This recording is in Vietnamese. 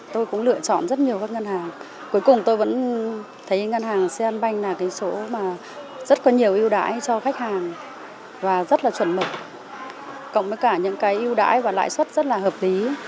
tôi cũng lựa chọn rất nhiều các ngân hàng cuối cùng tôi vẫn thấy ngân hàng cel banh là cái chỗ mà rất có nhiều ưu đãi cho khách hàng và rất là chuẩn mực cộng với cả những cái ưu đãi và lãi suất rất là hợp lý